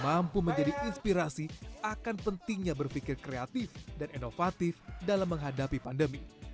mampu menjadi inspirasi akan pentingnya berpikir kreatif dan inovatif dalam menghadapi pandemi